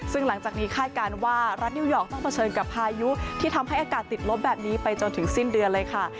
ซึ่งหลังจากนี้คาดการณ์ว่ารัฐนิวยอร์กต้องเผชิญกับพายุที่ทำให้อากาศติดลบแบบนี้ไปจนถึงสิ้นเดือนเลยค่ะ